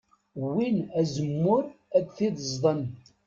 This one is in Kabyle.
Wwin azemmur ad t-id-ẓden.